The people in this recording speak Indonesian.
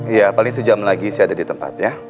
ya paling sejam lagi saya ada di tempat ya